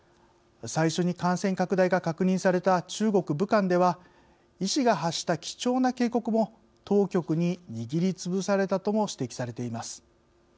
最初に感染拡大が確認された中国、武漢では医師が発した貴重な警告も当局に握りつぶされたとも指摘されています。